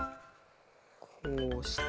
こうして。